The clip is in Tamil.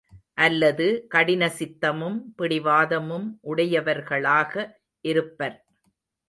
அல்லது கடின சித்தமும் பிடிவாதமும் உடையவர்களாக இருப்பர்.